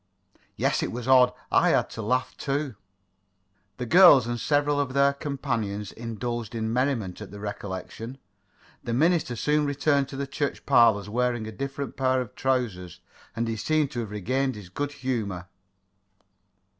"Yes, it was odd. I had to laugh, too." The girls and several of their companions indulged in merriment at the recollection. The minister soon returned to the church parlors, wearing a different pair of trousers, and he seemed to have regained his good humor.